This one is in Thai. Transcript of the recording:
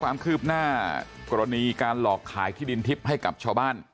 ความคืบหน้ากรณีการหลอกขายที่ดินทิพย์ให้กับชาวบ้าน